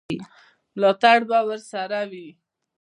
ملاتړ به ورسره وي.